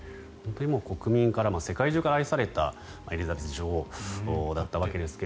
国民から、世界中から愛されたエリザベス女王だったわけですが。